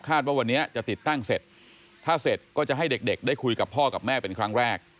ว่าวันนี้จะติดตั้งเสร็จถ้าเสร็จก็จะให้เด็กได้คุยกับพ่อกับแม่เป็นครั้งแรก